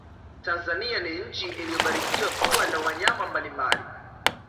tanzania ni nchi iliyobarikiwa kuwa na wanyama mbalimbali